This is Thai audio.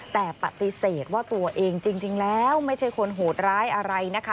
แต่ปฏิเสธว่าตัวเองจริงแล้วไม่ใช่คนโหดร้ายอะไรนะคะ